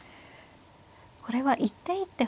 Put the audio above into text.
これは一手一手